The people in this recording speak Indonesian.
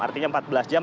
artinya empat belas jam